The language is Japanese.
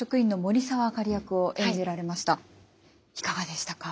いかかでしたか。